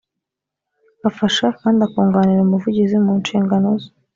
afasha kandi akunganira umuvugizi mu nshingano ze